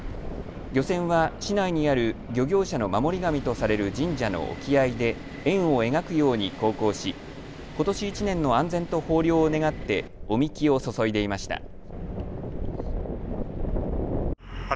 漁船は市内にある漁業者の守り神とされる神社の沖合で円を描くように航行し、ことし１年の安全と豊漁を願ってお神酒を注いでいました。